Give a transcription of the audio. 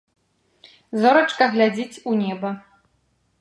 Зорачка глядзіць у неба.